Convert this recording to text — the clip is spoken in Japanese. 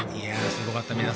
すごかった。